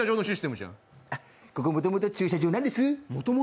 ここもともと駐車場なんです。